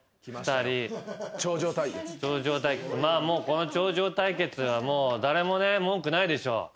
この頂上対決は誰も文句ないでしょ。